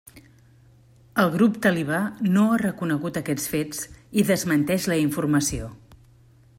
El grup Talibà no ha reconegut aquests fets i desmenteix la informació.